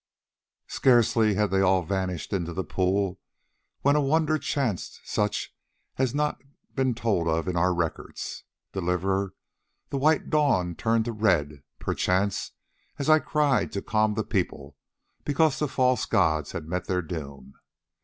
Scarcely had they all vanished into the pool when a wonder chanced such as has not been told of in our records: Deliverer, the white dawn turned to red, perchance, as I cried to calm the people, because the false gods had met their doom."